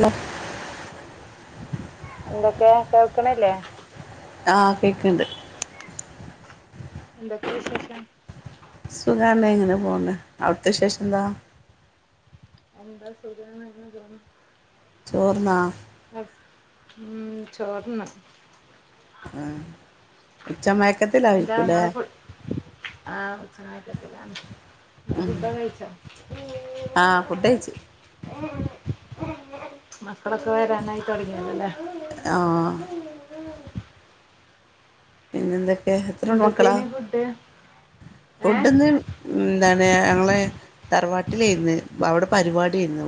Hello എന്തൊക്കെ കേൾക്കണില്ലേ? ആ കേക്ക്ണ്ട് എന്തൊക്കെ വിശേഷം? സുഖാണ് എങ്ങനെ പോണ്. അവിടുത്തെ വിശേഷം എന്താ? എന്താ സൂചന എന്ന് തോന്നി ചോറ്ന്നാ ഉം ചോറ്ന്ന് ആ ഉച്ച എന്താ മയക്കത്തിലായിരിക്കുലെ നിങ്ങളെ ഫു ആഹ് ഉം അതെ ആഹ് ഫുഡഴിച്ച് [unintelligible] മ് മക്കളെക്കെ വരാനായി, തുടങ്ങിയല്ലേ? ആഹ് പിന്നെ എന്തൊകെയാ എത്ര മക്കളാ എന്തൊക്കെയാണ് ഫുഡ് ഏഹ് ഫുഡ്ന്ന് എന്താണ് ഞങ്ങളെ? തറവാട്ടിലേയ്ന്ന് അപ്പേ അവിടെ പരിപാടിയായിന്നു.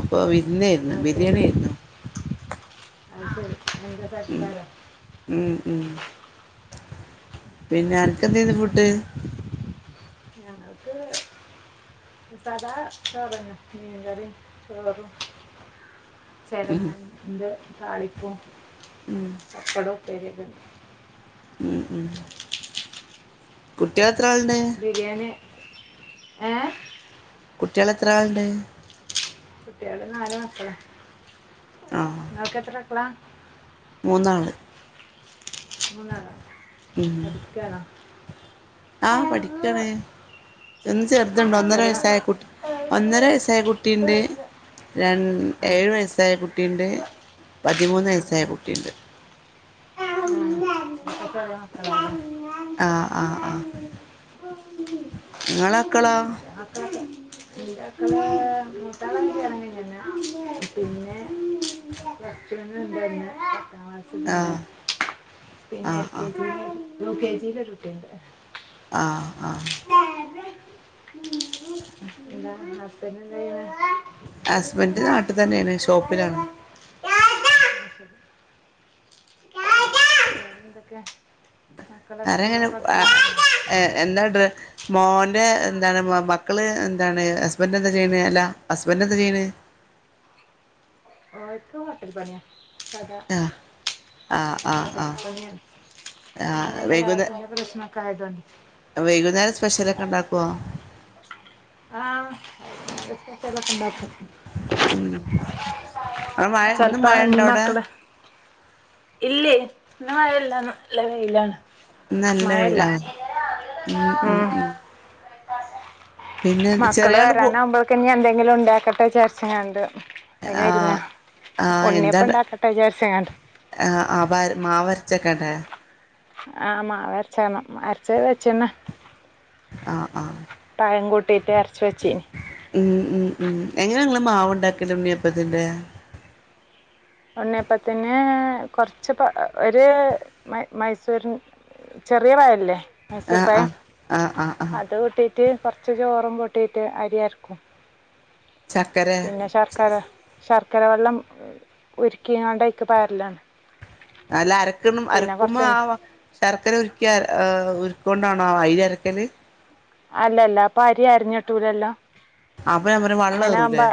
അപ്പൊ വിരുന്നെയിരുന്നു അത് ശരി ബിരിയെണി ഏയ്ന്നു അത് [unintelligible] ഉം ഉം. പിന്നെ അൻക്കെന്തേയ്ന്ന് ഫുഡ്‌. സാതാ ചോറെന്നെ. മീൻകറിം ചോറും ഉം ചെരങ്ങന്റെ താളിപും ഉം പപ്പടോം ഉപ്പേരിക്കെ ഉം ഉം കുട്ടിയേള്എത്ര ആള്ണ്ട്‌ ബിരിയാണി ഏ കുട്ടിയേള് എത്ര ആള്ണ്ട് കുട്ടിയെള് നാല് മക്കള. ആഹ് ഇങ്ങക്ക് എത്ര മക്കളാ മൂന്നാള് മൂന്നാളോ പഠിക്ക്യാണോ ആ പഠിക്കാണ് ഒന്ന് ആ, ചെർത്ണ്ട്. ഒന്നര ചെറിയ വയസ്സായ കുട്ടി ഒന്നര വയസ്സായ കുട്ടിണ്ട് രൺ ആ ഏഴു വയസ്സായ കുട്ടിണ്ട് പതിമൂന്ന് വയസ്സായ കുട്ടിണ്ട്. ഉം [unintelligible] [unintelligible] ആഹ് ആഹ് ആഹ് നിങ്ങളെ മക്കളോ ഇന്ടെ അക്കള് മൂത്താളെ കല്യണം കൈഞ്ഞണ്. പിന്നെ പിന്നെ എന്തായീന്നു ന്നാ ക്ലാസിലുണ്ട്. ആഹ് പിന്നെ ആഹ് എൽ കെ ആഹ് ജി ല്. യു കെ ജീലൊരുകുട്ടിണ്ട് ആ ആ ന്താണ് ഹസ്ബൻഡ് എന്താ ചെയ്യ്ണ് അസ്ബൻറ് നാട്ട്തന്നെണ് ഷോപ്പിലാണ് [unintelligible] എന്തൊക്കെ മക്കളെ വെറെങ്ങനെ സ്കൂളൊക്കെ അടുത്തന്നെ എന്താ ഡ്ര മോന്റെ എന്താണ്. മക്കള് എന്താണ് ഹസ്ബന്റ് എന്താ ചെയ്യണ്. അല്ല ഹസ്ബന്റ് എന്താ ചെയ്യണ് ഓൽക്ക് ഹോട്ടൽ പണിയ. കട ആഹ് ആഹ് ആഹ് ഹോട്ടൽ ആഹ് പണിആണ്. ആഹ് വൈകുന്നേ [unintelligible] പ്രശ്നക്കെആയതാണ് വൈകുന്നേരം സ്പെഷ്യലൊക്കെ ണ്ടാക്കോ. ആഹ്സ്പെഷ്യലൊക്കെണ്ടാക്കും ഉം അവിടെ മഴ ഇന്ന് ചെലപ്പോ മഴ ൻ ഉണ്ടോ അവിടെ മക്കള് ഇല്ലേ ഇന്ന് മഴല്ലാന്ന്. ല്ല വെയിലാണ് ന്ന് നല്ല വെയില മഴയില്ല ഉം ഉം ഉം പിന്നെ എന്ത് മക്കള് ചെറിയ ആള് പോ വരാനാവുമ്പോക് ഇഞ്ഞ് എന്തെങ്കിലും ണ്ടാക്കട്ടെ ജാര്ച്ച് ങ്ങാണ്ട്‌ ആഹ് അയ്നൊര്ങ്ങാ ആഹ് എന്താ ആ ആ പൊ മാവര്ച്ചക്കണ്ടെ ആ മാവര്ച്ചണം അരച്ചത് വെച്ചന്ന ആഹ് ആഹ് അരച്ച് വെച്ചിന് ഉം ഉം ഉം എങ്ങനെ ഇങ്ങള് മാവുണ്ടാക്കല്. ഉണ്ണീയപ്പതിന്റെ ഉണ്ണിയപ്പത്തിന് കൊറച്ച് പ ഒര് മ മൈസൂർ ചെറിയ പായല്ലേ മൈസൂർ ആഹ് പയം ആഹ് ആഹ് ആഹ് ആഹ് അത് കൂട്ടി റ്റ് കൊർച്ച് ചോറും കൂട്ടീറ്റ് അരിയര്ക്കും ചക്കരെ പിന്നെ ശർക്കര ശർക്ക ക്കര വള്ളം ഉര്ക്കിങ്ങാണ്ട്‌ അയ്ക്ക് പാരലാണ് അല്ല അരക്കണം അരക്കുമ്പോ ആ ശർക്കര ഉര്ക്കി ആ ആ ഉര് കൊണ്ടാണോ അയ്രി അരക്കല് അല്ലല്ല അപ്പ അരി അര്ഞ്ഞ്ട്ടൂലല്ലോ അപ്പൊ ഞാൻ പറയാ വള്ളം അങ്ങനെ ആവുമ്പ ഏറൂലേ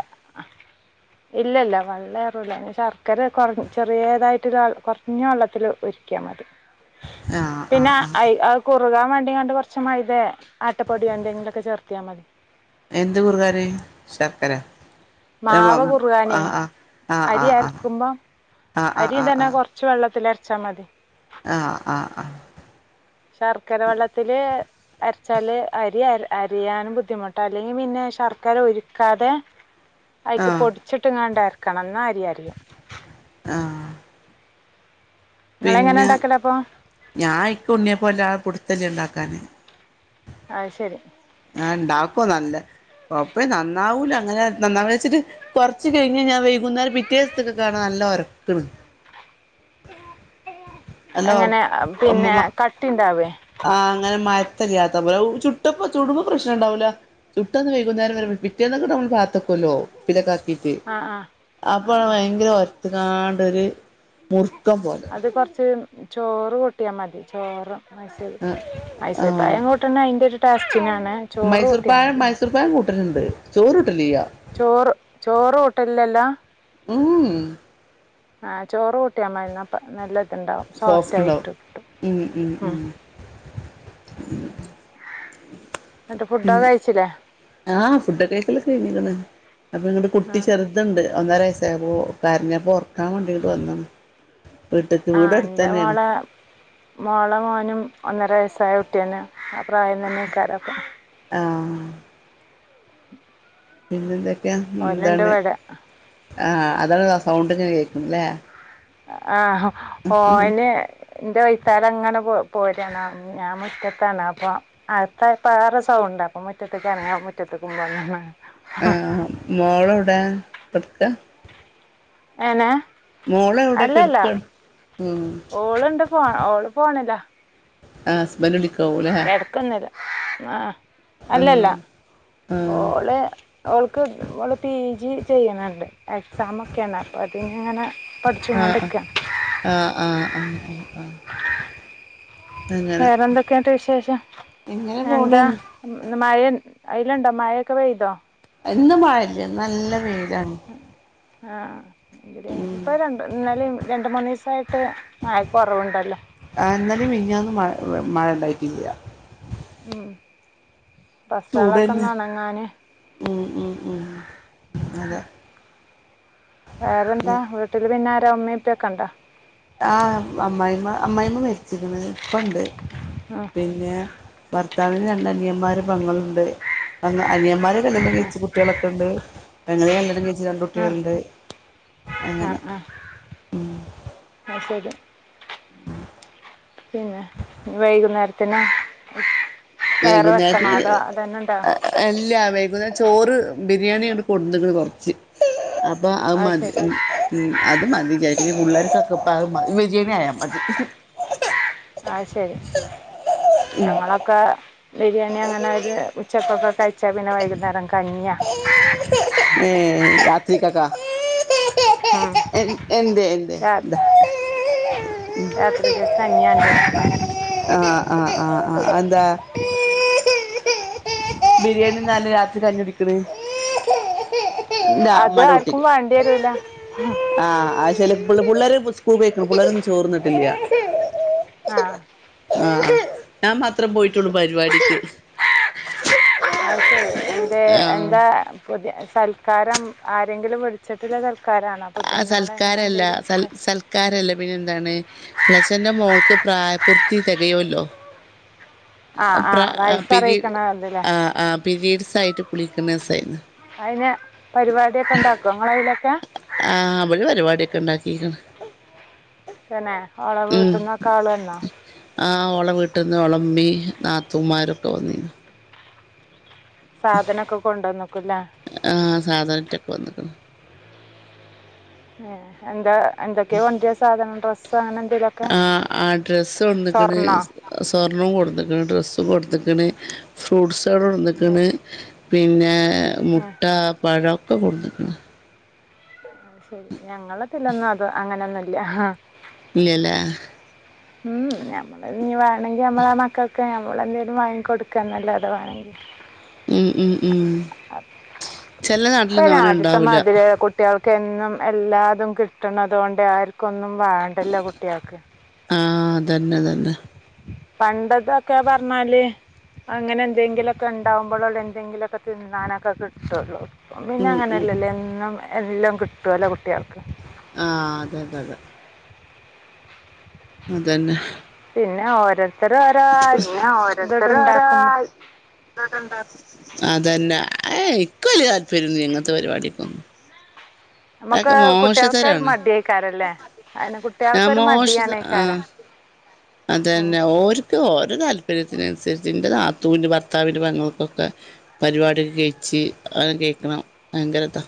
ഇല്ലല്ല വള്ളെറൂല്ല ശർക്കര കൊർ ചെറ്യേതായിട്ട് ഒരാൾ കൊർഞ്ഞ വള്ളത്തിൽ ഉരുക്കിയാ മതി ആഹ് പിന്നെ ആഹ് ആഹ് അത് അത് കുറുകാൻ വേണ്ടികാണ്ട് കൊർച്ച് മൈതേ ആട്ടപ്പൊടിയോ എന്തെങ്കിലൊക്കെ ചേർത്തിയാ മതി എന്ത് കുറുകാന് ശർക്കരെ മാവ് കുറുകാനെ ആഹ് ആഹ് അരി ആഹ് അരക്കുമ്പം ആഹ് അരിയും തന്നെ കൊർച്ച് വെള്ളത്തിൽ അരച്ചാ മതി ആ ആ ആ ശർക്കര വെള്ളത്തില് അര്ച്ചാല് അരി അ അരയാനും ബുദ്ധിമുട്ട അല്ലെങ്കി പിന്നെ ശർക്കര ഉരുക്കാതെ അയിക്ക് ആഹ് പൊടിച്ചിട്ട്ക്കാണ്ട് അര്ക്കണം ന്നാ അരി അരയണം ആ നിങ്ങളെങ്ങനെ പിന്നെ ഉണ്ടാക്കലപ്പോൾ ഞാൻ ഇക്ക് ഉണ്ണിയപ്പം വല്ലാതെ പുട്ത്തല്ല്യ ഇണ്ടാക്കാന് അത് ശരി ആഹ് ഇണ്ടാക്കോ നല്ല നന്നാവൂല അങ്ങനെ നന്നാവൂല്ലാച്ചിട്ട് കൊർച്ച് കഴിഞ്ഞ് ഞാൻ വൈകുന്നേരം പിറ്റേസ്ത്ത്ക്കക്കേണ് ന ല്ലൊർക്ക്ണ് നല്ല ഒർ അങ്ങനെ പിന്നെ മ കട്ടിണ്ടാവേ ത്തല്ല്യാത്ത പോലെ ചുട്ടപ്പ ചടുംമ്പ പ്രശ്നണ്ടാവൂല്ല ചുട്ടന്ന് വൈകുന്നേരം വരെ പിറ്റേന്നൊക്കെ നമ്മ പാത്തക്കല്ലോ കുപ്പീലക്കാക്കീട്ട് ആ ആ ആ അപ്പളാ ഭയങ്കര ഒര്ത്ത്കാണ്ട് ഒര് മുർ അത് കൊർച്ച് ചോറ് കൂട്ടിയാ മതി ചോറ് മൈസൂര് ആ മൈസൂര് പഴം കൂട്ട്ണത് അയിന്റൊരു ടാസ്ക് മൈസൂർപാഴം മൈസൂർ പഴം കൂട്ടല്ണ്ട് ചോറ് കൂട്ടലില്ല ചോറ് ചോറ് ഹോട്ടലിലല്ലാ ഉം ആ ചോറ് കൂട്ടിയാ മതി ന്നാ പ്പ നല്ല ഇതുണ്ടാവും സോഫ്റ്റ് ഇണ്ടാവും ആയിട്ട് കിട്ടും ഉം ഉ ഉം ഉ ന്നിട്ട് ഫുഡൊക്കെ കഴിച്ചില്ലേ ആ ഫുഡൊക്കെ കഴിക്കലൊക്കെ കഴഞ്ഞിക്ക്ണ് അപ്പൊന്നട്ട് കുട്ടി ഉം ചെറുത്ണ്ട് ഒന്നര വയസ്സായ അപ്പോ ഓ കരഞ്ഞപ്പ ഒർക്കാൻ വേണ്ടി ഇങ്ങട്ട് വന്നതാണ് വീട്ട്ക്ക് ആ വീട് ഇന്റെ അടുത്തന്നെയാണ് മോളെ മോളെ മോനും ഒന്നര വയസ്സായ കുട്ടിയെന്നേണ് ആ പ്രായം തന്നേക്കാാരപ്പം ആ പിന്നെന്തൊക്കെയാ ഓലുണ്ട് എന്താണ് ഇവിടെ ആ അതാണ്താ സൗണ്ട്ങ്ങനെ കേക്ക്ണ് ല്ലേ ആഹ് ഓന് ഇന്റെ വൈത്താലങ്ങനെ പോ പോരാണ് ഞാൻ മുറ്റത്താണ് അപ്പൊ അകത്തായപ്പോ വേറെ സൗണ്ട് ണ്ട് അപ്പൊ മുറ്റത്ത്ക്ക് എർങ്ങിയാ മുറ്റത്തക്കു വന്ന്ണ് ആഹ് മോളൊഔടെകെട്ക്കാ ഏങ്ങനെ എവിടെ അല്ലല്ല കെടക്കാണ് ഉം ഓള്ണ്ട് ഫോ ഓള് ഫോണിലാ ആ ഹസ്ബൻറ് വിളിക്കാവൂ ല്ലേ കിടക്കുന്നില്ല ആ അല്ലല്ല ആഹ് ഓള് ഓൾക്ക് ഓള് പി ജി ചെയ്യുന്നുണ്ട് എക്സാമൊക്കേണ് അപ്പോ അതിനിങ്ങനെ പഠിച്ചു ആ കൊണ്ടിരിക്കുകയാണ് ആ ആ ആ ആ ആ വേറെ എന്തൊക്കെണ്ട് വിശേഷം എങ്ങനെ പോണ് എന്താ മഴ അയ്ലണ്ടോ മഴൊക്കെ പെയ്തോ ഇന്ന് മഴല്ല ഇന്നല്ല വെയില് ആഇ ഉം ഇപ്പൊ രണ്ട് ഇന്നലേ രണ്ട് മൂന്ന് ദിവസമായിട്ട് മഴക്ക് കുറവുണ്ടല്ലോ ആ ഇന്നലെ മിഞ്ഞാന്നുംമഴ മഴ ഇണ്ടായിട്ടില്ല ഉം ഡ്രസ്സൊളൊക്കെ ചൂടന്നെ ഒന്നണങ്ങാന് ഉം ഉം ഉംഅതെ വേറെന്താ വീട്ടില് പിന്നെ ആരാ ഉമ്മീ ഉപ്പക്കെ ണ്ടോ ആ അമ്മായിമ്മ അമ്മായിമ്മ മരിച്ചിരിക്ക്ണ് ഇപ്പ ഇണ്ട് ആഹ് പിന്നെ ഭർത്താവിന് രണ്ട് അനിയന്മാരു പെങ്ങളുണ്ട് അനിയന്മാരെ കല്യാണം കഴിച്ച് കുട്ടിളൊക്കെ ണ്ട് പെങ്ങളിം കല്യാ ണ്ണം കയിച്ച് ആഹ് രണ്ട്കുട്ടിളുണ്ട് അങ്ങനെ ആഹ് ആഹ് ഉം അത് ശരി ഉ പിന്നെ വൈകുന്നേരത്തിന് വേറെ വൈകുന്നേര് വെക്കണോ അതോ അതന്നെ ഉണ്ടോ എല്ലാ വൈകുനേരം ചോറ് ബിരി യാണി ങ്ങട്ട് കൊട്ന്ന് കണ് കുറച്ച് അ പ്പം അത് അഅ്മതി ശരി ഉം അത് പ്പം അത് മതി ചാരി പിള്ളേർക്കൊക്കെ ഇപ്പ അത് ബിരിയേണിആയാ മതി അഹ് ശരി ഉം ഞങ്ങളൊക്കെ ബിരിയാണി അങ്ങനെ ഒര് ഉച്ചക്കൊക്കെ കഴിച്ചാ പിന്നെ വൈകുന്നേരം കഞ്ഞിയ ഏ രാത്രികക്കേ ഉം എന്ത എന്ത രാത്രികക്ക്കഞ്ഞിയാണ്ടേ ആആ ആ ആ അ [inaudible] ബിരിയാണി ന്നാല് രാത്രി കഞ്ഞി കുടിക്ക്ണേ അത് ആർക്കും വേണ്ടി വരൂല ആ അഹ് പിള്ളേര് സ്ക്കൂൾ ക്ക് പൊയിക്ക്ണ് പിള്ളരൊന്നും ചോറ്ന്നിട്ടില്ല ആ ആ ഞാൻ മാത്രം പോയിട്ടുള്ളു പരിപാടിക്ക് അഹ് ശരി എന്തേ ആ എന്താ പുതി സൽക്കാരം ആരെങ്കിലും വിളിച്ച്ട്ട്ള്ള സ ആ സൽക്കാരല്ല സൽക്കാരല്ല പിന്നെ എന്താണ് [unintelligible] ന്റെ മോൾക്ക് പ്രായ പൂർത്തി തികയുല്ലോ ആ ആ പ്രാ പിരി വയസ്സറിയിക്കണ ഇതില്ലേ ആ ആ പിരീഡ്സ് ആയിട്ട് കുളിക്കുന്ന സേ ഏന്നു അതിന് പരിപാടിയൊക്കെ ഉണ്ടാക്കും നിങ്ങളതിലൊക്കെ ആ അവള് പരിപാടിക്കെ ഉണ്ടാക്കിക്ക്ണ് ത്തന്നെ ഓള ഉം വീട്ടുന്നൊക്കെ ആള് വന്നോ ആ ഓള വീട്ടന്ന് ഓളെ ഇമ്മേം നാത്തൂമാരൊക്കെ വന്നിനു സാധനമൊക്കെ കൊണ്ടുവന്നിക്കില്ലേ ആഹ് സാധണട്ടൊക്കെ വന്നക്ക്ണ് ഉ എന്താ എന്തൊക്കെയാ കൊണ്ടുവരിക സാധനം ഡ്രസ്സ് അങ്ങനെ എന്തെങ്കിലുമൊക്കെ ആ ആ ഡ്രസ്സ്കൊണ്ടന്നുക്കണ് സ്വർണ്ണോ സ്വർണം കൊടുക്ക കൊക്ക ഡ്രസ്സ് കൊടുത്തക്കണ് ഫ്രൂട്ട്സ്ടെ ഏ, കൊടുത്തക്കണ് പിന്നെ ആ, മുട്ട പഴൊക്കെ കൊടുന്നുക്കണ് ശെരി ഞങ്ങളത്തിലൊന്നും അത് അങ്ങനൊന്നുംല്ല ഇല്ല അല്ലെ ഉം നഞമ്മള് ഇനി വേണമെങ്കി നമ്മള ആ മക്കൾക്ക് നമ്മളെന്തെലും വാങ്ങി കൊടുക്കാ എന്നല്ലോ അത വേണമെങ്കിൽ ഉം ഉം ഉം ചെലെ നാട്ടിലൊന്നും അങ്ങനെ ഉണ്ടാവൂല തെങ്ങും എല്ലാതും കിട്ടണതുകൊണ്ട് ആർക്കൊന്നും വേണ്ടല്ലോ കുട്ടികൾക്ക് ആഹ് അതന്നെ അതന്നെ പണ്ടതൊക്കെ പറഞ്ഞാല് അങ്ങനെ എന്തെങ്കിലുക്കെ ഉണ്ടാവുമ്പോഴള്ള എന്തെങ്കിലുമൊക്കെ തിന്നാനൊക്കെ കിട്ടുകുള്ളൂ പിന്നെ ഉം ഉം അങ്ങനെയല്ലല്ലോ എന്നും എല്ലാം കിട്ടും ല്ലോ കുട്ടികൾക്ക് ആഹ അതെതെതെ അതന്നെ പിന്നെ ഓരോ പിന്നെ, ഇതിട്ട് ഓരോരുത്തര് ഓരോ, ഉണ്ടാക്കുമ്പോൾ അതന്നെ. ഏയ്, ഇക്ക് വലൃയ താല്പര്യയെന്നും ഇല്ലൃ, ഇങ്ങൻത്തെ, പരിപാടിക്കെന്നും. നമുക്ക് കുട്ടികൾക്കെരു മടിയെയ്കാരല്ലേ? അയിന് ഞാൻ കുട്ടിആൾക്കൊരു മടി മോശത ആണെയ്ക്കാരം ആഹ് അതന്നെ, ഓര്ക്ക് ഓരെ താല്പര്യത്തിന് അതിനുസരിച്ച് ഇന്റെ നാത്തൂന് ഭർത്താവിന്റെ പെങ്ങൾക്കൊക്കെ പരിപാടി ഒക്കെ കെയ്ച്ചി അങ്ങനെക്കെ ണം ഭയങ്കെരതാ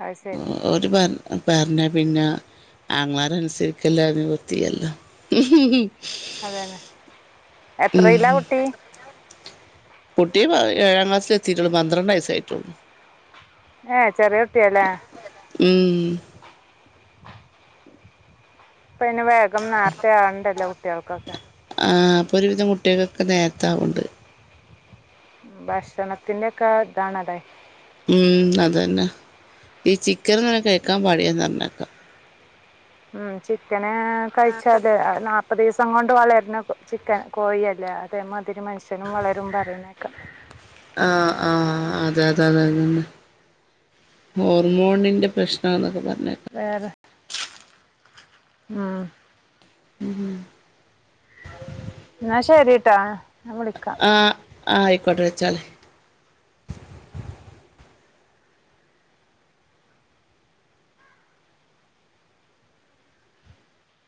അത് ശരി ഓര് പറഞ് പറഞ്ഞ പിന്നെ, ആങ്ങളാരെ അനുസരിക്കല്ലാതെ നിവർത്തിയില്ലല്ലേ? ഹ്.. ഹ്.. ഹ് അതേന്നെ എത്രയിലാ കുട്ടി കുട്ടീ ഏഴാം ക്ലാസ്സിൽ എത്തീട്ടെള്ളൂ പന്ത്രണ്ടയസ്സായിട്ടുള്ളു ഹാ. ചെറിയ കുട്ടിയല്ലേ ഉം.. ഇപ്പ പിന്നെ വേഗം നേർത്തെ ആവ്ണ്ടല്ലോ കുട്ടിയാൾക്കൊക്കെ. ഇപ്പേ ഒരുവിധം കുട്ടിൾകെക്കെ നേരത്താവ്ണ്ട് ഭക്ഷണത്തിന്റെ ഒക്കെ.. ആ ഇതാണത് ഉം അതെന്നെ. ഈ ചിക്കൻ ഇങ്ങനെ കഴിക്കാൻ പാടില്ലാന്ന് പറഞ്ഞേക്കാ. ഉം ചിക്കന് കഴിച്ചാത് നാല്പ്പത് ദിവസ് ദിവസം കൊണ്ട് വളരുന്ന. ചിക്കൻ, കോഴിയല്ലെ അതേമാതിരി മനുഷ്യനും വളരും പറന്നെക്കാം ആഹ ആഹ് അതെ അതെ അതെന്നെ ഹോർമോണിന്റെ പ്രശ്നാന്നൊക്കെ പറ വെറെ...... ഉം ഉം എന്നാ ശരിട്ടാ ഞാൻ വിളിക്കാ? ആ ആയിക്കോട്ടെ വെച്ചാളിം